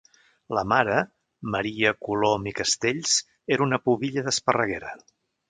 La mare, Maria Colom i Castells, era una pubilla d'Esparreguera.